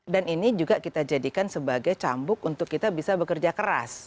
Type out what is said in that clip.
dan ini juga kita jadikan sebagai cambuk untuk kita bisa bekerja keras